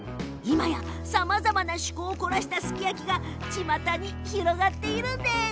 今やさまざまな趣向を凝らしたすき焼きがちまたに広がっているのです。